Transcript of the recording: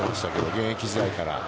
現役時代から。